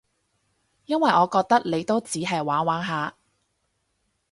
因為我覺得你都只係玩玩下